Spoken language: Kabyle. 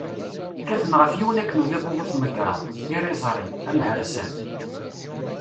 Kkaten ɣef yiwen akken udabu bu-tmegraḍ, iriẓri, amhersan.